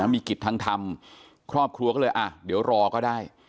มีกิจทางธรรมครอบครัวก็เลยอ่ะเดี๋ยวรอก็ได้